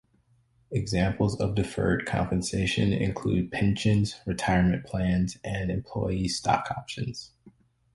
Examples of deferred compensation include pensions, retirement plans, and employee stock options.